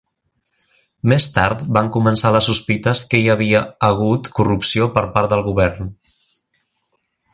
Més tard, van començar les sospites que hi havia hagut corrupció per part del govern.